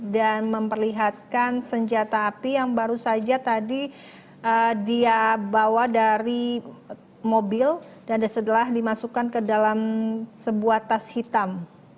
dan memperlihatkan senjata api yang baru saja tadi dia bawa dari mobil dan setelah dimasukkan ke dalam sebuah tas hitam